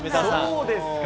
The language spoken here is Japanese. そうですか。